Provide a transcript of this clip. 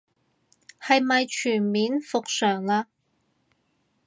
係咪全面復常嘞